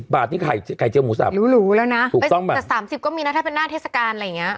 ๒๐บาทนี่ไข่เจียวหมูสับถูกต้องบ้างหรูหรูแล้วนะแต่๓๐ก็มีนะถ้าเป็นหน้าเทศกาลอะไรอย่างนี้